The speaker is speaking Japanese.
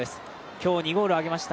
今日２ゴール挙げました